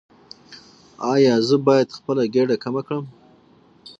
ایا زه باید خپل ګیډه کمه کړم؟